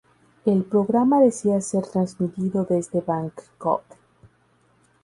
El programa decía ser transmitido desde Bangkok.